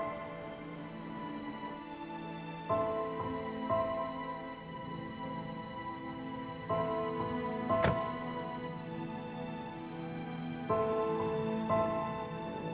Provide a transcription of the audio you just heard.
apa benar bersedia ngantriin aku kemana pun aku pergi